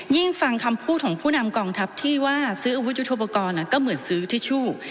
ฟังคำพูดของผู้นำกองทัพที่ว่าซื้ออาวุธยุทธโปรกรณ์ก็เหมือนซื้อทิชชู่